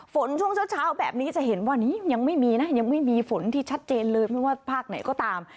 ช่วงเช้าแบบนี้จะเห็นว่านี้ยังไม่มีนะยังไม่มีฝนที่ชัดเจนเลยไม่ว่าภาคไหนก็ตาม